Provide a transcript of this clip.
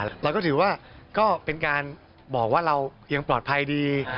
เราก็ถือว่าก็เป็นการบอกว่าเรายังปลอดภัยดี